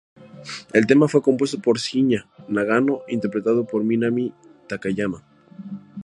El tema fue compuesto por Shiina Nagano e interpretado por Minami Takayama.